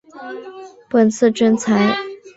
本次征才